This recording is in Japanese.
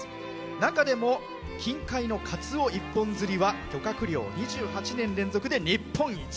中でも近海のカツオ一本釣りは漁獲量２８年連続で日本一。